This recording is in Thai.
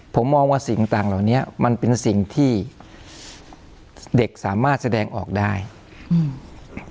ผมมองว่าสิ่งต่างเหล่านี้มันเป็นสิ่งที่เด็กสามารถแสดงออกได้อืม